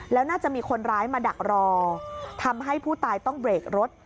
แล้วน่าจะมีคนร้ายมาดักรอทำให้ผู้ตายต้องเบรกรถ